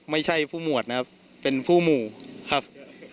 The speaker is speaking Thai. ไม่ใช่ผู้หมวดนะครับเป็นผู้หมู่ครับ